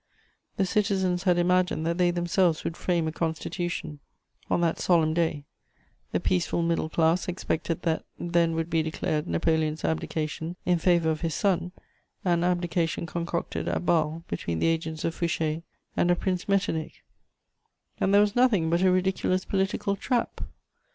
The citizens had imagined that they themselves would frame a Constitution on that solemn day, the peaceful middle class expected that then would be declared Napoleon's abdication in favour of his son, an abdication concocted at Bâle between the agents of Fouché and of Prince Metternich: and there was nothing but a ridiculous political trap!